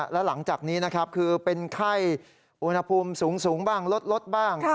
แล้วหลังจากนี้นะครับคือเป็นไข้อุณหภูมิสูงบ้างลดบ้าง